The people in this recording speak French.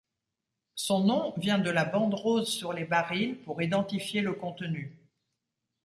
Son nom vient de la bande rose sur les barils pour identifier le contenu.